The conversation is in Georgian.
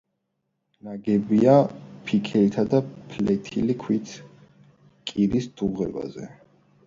ნაგებია ფიქალითა და ფლეთილი ქვით კირის დუღაბზე.